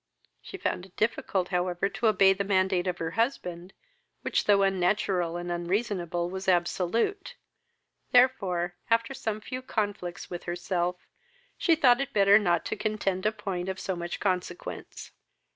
She found it difficult however to obey the mandate of her husband, which, though unnatural and unreasonable, was absolute; therefore, after some few conflicts with herself, she thought it better not to contend a point of so much consequence.